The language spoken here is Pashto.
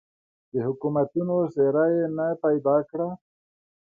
د حکومتونو څېره یې نه پیدا کړه.